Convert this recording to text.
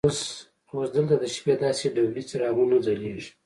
اوس دلته د شپې داسې ډولي څراغونه ځلیږي.